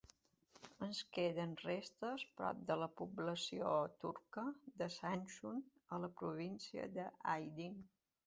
En queden restes prop de la població turca de Samsun a la província d'Aydın.